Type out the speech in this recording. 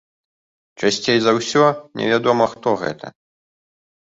Часцей за ўсё невядома хто гэта.